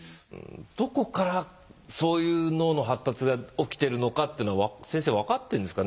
どこからそういう脳の発達が起きてるのかっていうのは先生分かってるんですかね？